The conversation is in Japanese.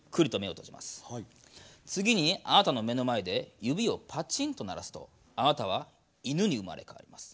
次にあなたの目の前で指をパチンと鳴らすとあなたは犬に生まれ変わります。